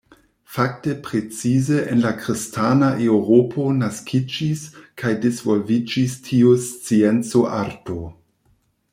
Fakte precize en la kristana eŭropo naskiĝis kaj disvolviĝis tiu scienco-arto.